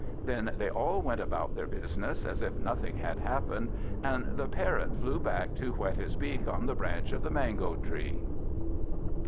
Then they all went about their business, as if nothing had happened; and the Parrot flew back to whet his beak on the branch of the mango tree.